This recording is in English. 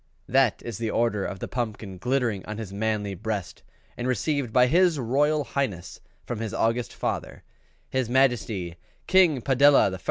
That is the Order of the Pumpkin glittering on his manly breast and received by his Royal Highness from his august father, his Majesty King PADELLA I.